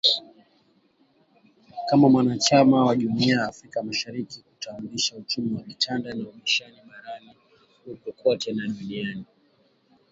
Kama mwanachama wa Jumuiya ya Afrika Mashariki kutaimarisha uchumi wa kikanda na ushindani barani huko na kote duniani.